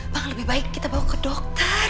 bahkan lebih baik kita bawa ke dokter